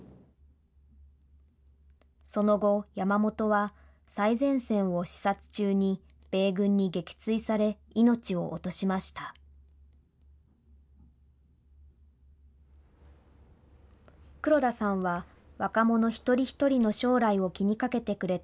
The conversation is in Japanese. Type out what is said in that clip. その後、山本は最前線を視察中に米軍に撃墜され、命を落としました。